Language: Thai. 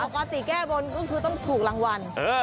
แก้บนก็คือต้องถูกรางวัล